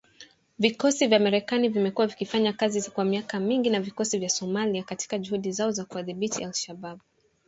Vikosi vya Marekani vimekuwa vikifanya kazi kwa miaka mingi na vikosi vya Somalia katika juhudi zao za kuwadhibiti al-Shabaab